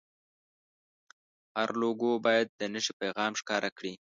هره لوګو باید د نښې پیغام ښکاره کړي.